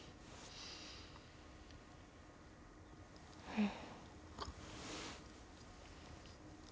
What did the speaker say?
うん。